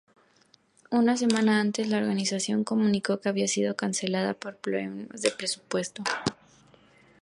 Una semana antes, la organización comunicó que había sido cancelada por problemas de presupuesto.